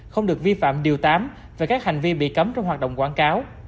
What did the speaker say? không được vi phạm điều tám về các hành vi bị cấm trong hoạt động quảng cáo